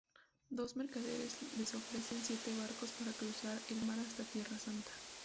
Dos mercaderes les ofrecen siete barcos para cruzar el mar hasta Tierra Santa.